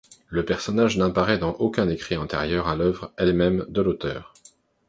Le personnage n’apparaît dans aucun écrit antérieur à l’œuvre elle-même de l’auteur.